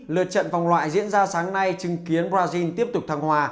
lượt trận vòng loại diễn ra sáng nay chứng kiến brazil tiếp tục thăng hoa